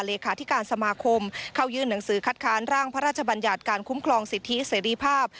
เลขาธิการสมาคมเข้ายื่นหนังสือคัดค้านร่างพระราชบัญญัติการคุ้มครองสิทธิเสรีภาพ